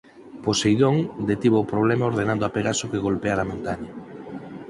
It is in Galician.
Poseidón detivo o problema ordenando a Pegaso que golpeara a montaña.